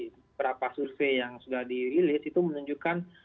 beberapa survei yang sudah dirilis itu menunjukkan